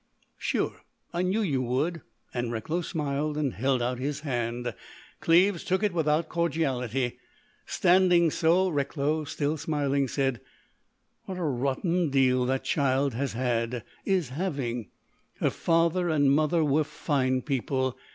"Sure. I knew you would." And Recklow smiled and held out his hand. Cleves took it without cordiality. Standing so, Recklow, still smiling, said: "What a rotten deal that child has had—is having. Her father and mother were fine people.